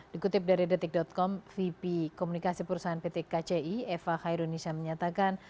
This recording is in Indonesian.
dikutip dari detik com vp komunikasi perusahaan pt kci eva khairunisa menyatakan